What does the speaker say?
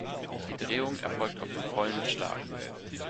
Die Drehung erfolgt auf dem vollen Schlag.